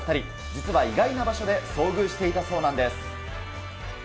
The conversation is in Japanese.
実は意外な場所で遭遇していたそうなんです。